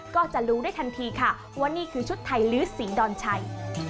ก็จะรู้ได้ทันทีค่ะว่านี่คือชุดไทยลื้อสีดอนชัย